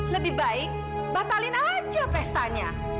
lebih baik batalin aja pestanya